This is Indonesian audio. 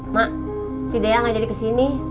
mak si dea gak jadi kesini